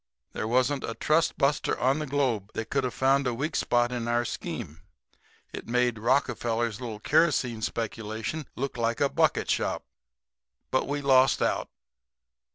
There wasn't a trust buster on the globe that could have found a weak spot in our scheme. It made Rockefeller's little kerosene speculation look like a bucket shop. But we lost out."